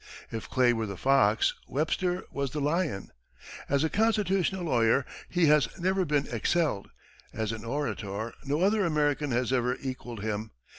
If Clay were the fox, Webster was the lion. As a constitutional lawyer, he has never been excelled; as an orator, no other American has ever equalled him.